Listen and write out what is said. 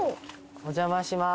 お邪魔します。